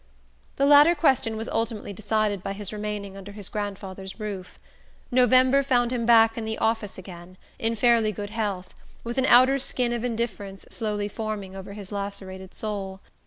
The latter question was ultimately decided by his remaining under his grandfather's roof. November found him back in the office again, in fairly good health, with an outer skin of indifference slowly forming over his lacerated soul.